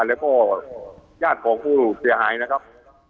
แล้วก็ญาติของผู้เสียหายนะครับ